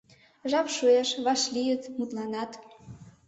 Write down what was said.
Жап шуэш, вашлийыт, мутланат...